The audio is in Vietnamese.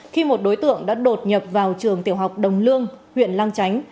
khi một đối tượng đã đột nhập vào trường tiểu học đồng lương huyện lang chánh